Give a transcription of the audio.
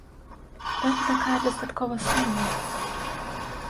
Дата такая дастаткова сумная.